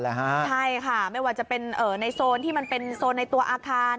ใช่ค่ะไม่ว่าจะเป็นในโซนที่มันเป็นโซนในตัวอาคาร